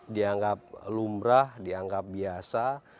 dianggap lumrah dianggap biasa